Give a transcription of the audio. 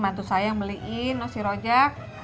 mantu saya yang beliin nossi rojak